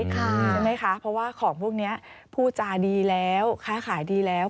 ใช่ไหมคะเพราะว่าของพวกนี้พูดจาดีแล้วค้าขายดีแล้ว